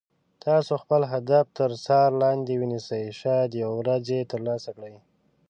تاسو خپل هدف تر څار لاندې ونیسئ شاید یوه ورځ یې تر لاسه کړئ.